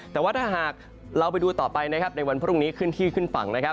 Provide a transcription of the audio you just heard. แต่ว่าถ้าหากเราไปดูต่อไปในวันพรุ่งนี้ขึ้นที่ขึ้นฝั่ง